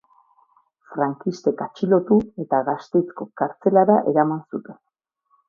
Frankistek atxilotu eta Gasteizko kartzelara eraman zuten.